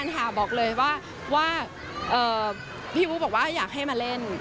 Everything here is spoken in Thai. ไม่นานค่ะบอกเลยว่าพี่วุ๊บบอกว่าอยากให้มาเล่น